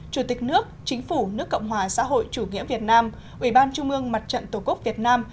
chủ tịch nước chính phủ nước cộng hòa xã hội chủ nghĩa việt nam ubnd mặt trận tổ quốc việt nam